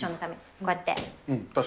こうやって。